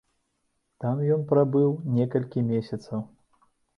Там ён прабыў некалькі месяцаў.